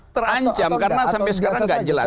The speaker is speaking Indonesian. terancam karena sampai sekarang nggak jelas